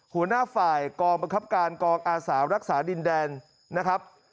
หัวหน้าฝ่ายกองบังคับการกองอาสารักษาดินแดนนะครับ